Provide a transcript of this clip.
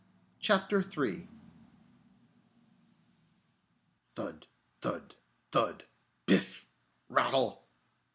CHAPTER III _Thud thud thud! Biff! Rattle!